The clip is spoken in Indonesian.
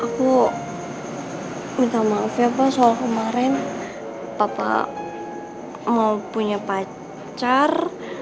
aku minta maaf ya pak soal kemarin papa mau punya pacar